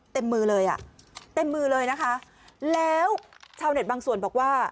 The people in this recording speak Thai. เต็มมือเลยอ่ะเต็มมือเลยนะคะแล้วชาวเน็ตบางส่วนบอกว่า